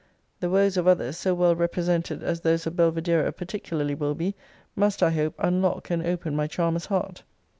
The woes of others, so well represented as those of Belvidera particularly will be, must, I hope, unlock and open my charmer's heart.